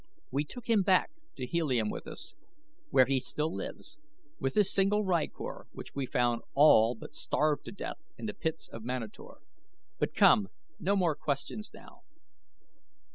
We took him back to Helium with us, where he still lives, with his single rykor which we found all but starved to death in the pits of Manator. But come! No more questions now."